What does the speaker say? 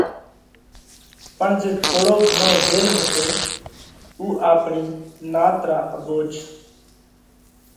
پڻ جي ٿوڙو گھڻو ريل هتو اُو آپڻِي نات را اڀوج